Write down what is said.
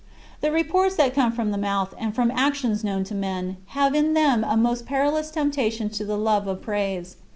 The reports that come from the mouth and from actions known to men have in them a most perilous temptation to the love of praise.